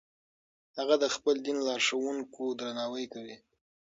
هغه د خپل دین لارښوونکو درناوی کوي.